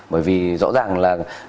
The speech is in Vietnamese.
bởi vì rõ ràng là